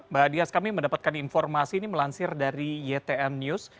mbak dias kami mendapatkan informasi ini melansir dari ytm news